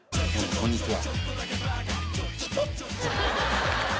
こんにちは」